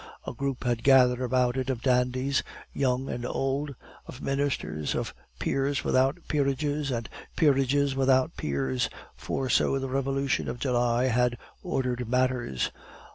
A group had gathered about it of dandies, young and old, of ministers, of peers without peerages, and peerages without peers, for so the Revolution of July had ordered matters.